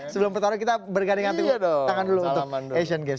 sebelum petarung kita berganding tangan dulu untuk asian games